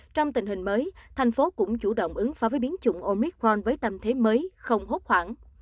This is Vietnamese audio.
trong tình hình mới thành phố cũng chủ động ứng phá với biến chủng omicron với tâm thế mới không hốt khoảng